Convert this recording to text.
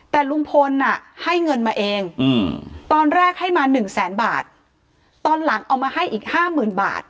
แต่ลุงพลให้เงินมาเองตอนแรกให้มาหนึ่งแสนบาทตอนหลังเอามาให้อีกห้าหมื่นบาท